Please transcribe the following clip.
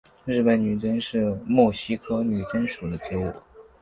日本女贞是木犀科女贞属的植物。